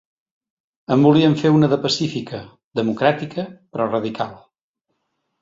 En volíem fer una de pacífica, democràtica, però radical.